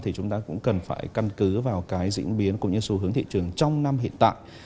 thì chúng ta cũng cần phải căn cứ vào cái diễn biến cũng như xu hướng thị trường trong năm hiện tại